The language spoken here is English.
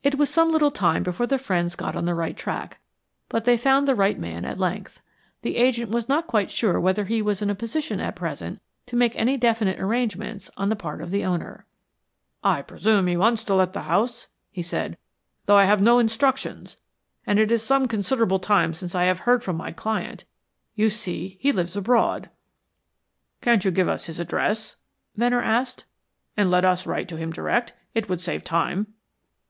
It was some little time before the friends got on the right track, but they found the right man at length. The agent was not quite sure whether he was in a position at present to make any definite arrangements on the part of the owner. "I presume he wants to let the house," he said, "though I have no instructions, and it is some considerable time since I have heard from my client. You see, he lives abroad." "Can't you give us his address," Venner asked, "and let us write to him direct? It would save time."